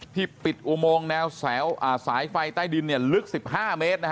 ที่ปิดอุโมงแนวแสวสายไฟใต้ดินเนี่ยลึก๑๕เมตรนะฮะ